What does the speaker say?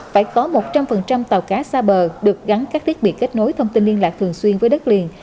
phải có một trăm linh tàu cá xa bờ được gắn các thiết bị kết nối thông tin liên lạc thường xuyên với đất liền